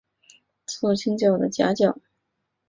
后倾角的夹角。